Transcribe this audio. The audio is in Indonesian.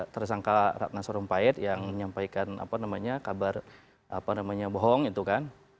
tersangka ratna sorumpait yang menyampaikan apa namanya kabar apa namanya bohong itu kan